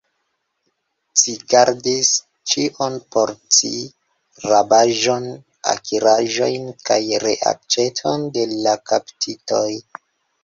Ci gardis ĉion por ci, rabaĵon, akiraĵojn, kaj reaĉeton de la kaptitoj!